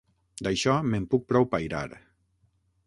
D'això, me'n puc prou pairar.